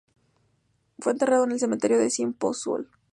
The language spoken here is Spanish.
Fue enterrado en el cementerio de Ciempozuelos.